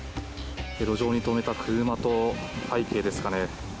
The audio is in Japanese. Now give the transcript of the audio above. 路上に止めた車と背景ですかね